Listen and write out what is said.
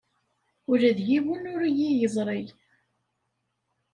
Ula d yiwen ur iyi-yeẓri.